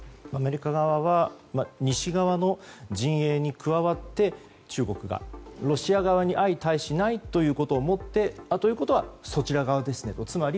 アメリカ側は西側の陣営に加わって中国が、ロシア側に相対しないということをもってということはそちら側ですねと。